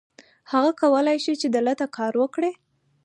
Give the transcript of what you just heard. هغه کولی شي چې دلته کار وکړي.